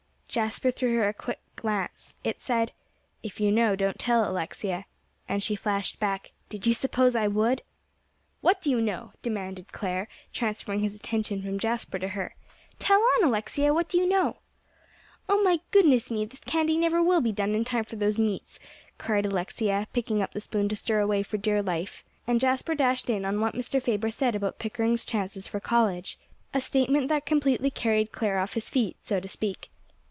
Jasper threw her a quick glance. It said, "If you know, don't tell, Alexia." And she flashed back, "Did you suppose I would?" "What do you know?" demanded Clare, transferring his attention from Jasper to her. "Tell on, Alexia; what do you know?" "Oh, my goodness me! this candy never will be done in time for those meats," cried Alexia, picking up the spoon to stir away for dear life. And Jasper dashed in on what Mr. Faber said about Pickering's chances for college; a statement that completely carried Clare off his feet, so to speak.